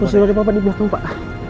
kursi roda bapak dibelakang pak